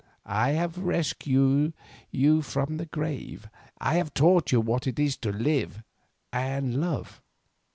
I have rescued you from the grave, I have taught you what it is to live and love.